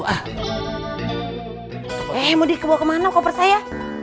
eh mau dibawa kemana kopernya